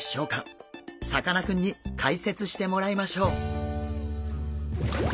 さかなクンに解説してもらいましょう。